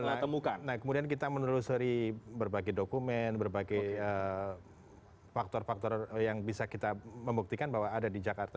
nah kemudian kita menelusuri berbagai dokumen berbagai faktor faktor yang bisa kita membuktikan bahwa ada di jakarta